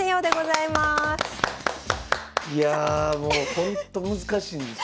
いやもうほんと難しいんですよ